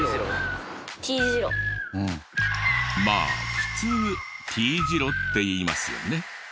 まあ普通Ｔ字路って言いますよね。